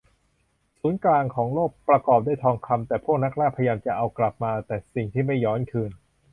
ศูนย์กลางของโลกประกอบด้วยทองคำ แต่พวกนักล่าพยายามจะเอากลับมาแต่สิ่งที่ไม่ย้อนคืน